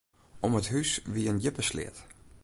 Om it hús wie in djippe sleat.